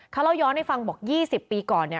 เขาเล่าย้อนให้ฟังบอก๒๐ปีก่อนเนี่ย